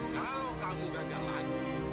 kalau kamu gagal lagi